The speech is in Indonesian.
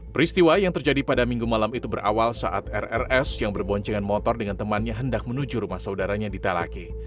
peristiwa yang terjadi pada minggu malam itu berawal saat rrs yang berboncengan motor dengan temannya hendak menuju rumah saudaranya di talake